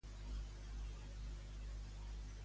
Quin altre càrrec tindrà Unides Podem?